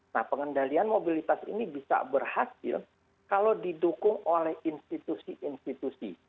nah pengendalian mobilitas ini bisa berhasil kalau didukung oleh institusi institusi